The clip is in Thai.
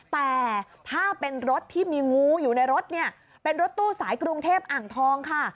แต่ถ้าเป็นรถที่มีงูอยู่ในรถเนี่ยเป็นรถตู้สายกรุงเทพอ่างทองค่ะ